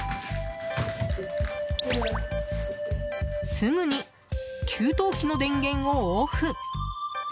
すぐに給湯器の電源をオフ。